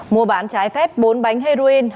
mùa bán trái phép bốn bánh heroin